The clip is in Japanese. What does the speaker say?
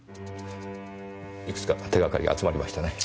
いくつか手がかりが集まりましたね。